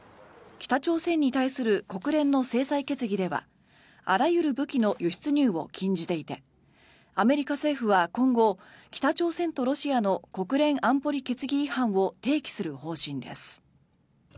北朝鮮に対する国連の制裁決議ではあらゆる武器の輸出入を禁じていてアメリカ政府は今後北朝鮮とロシアの国連安保理決議違反を提起する方針です。